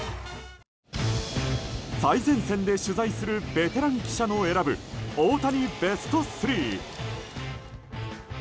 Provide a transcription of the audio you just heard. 最前線で取材するベテラン記者の選ぶ大谷ベスト３。